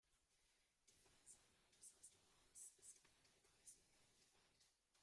Die Weinsammlung des Restaurants ist eine der größten weltweit.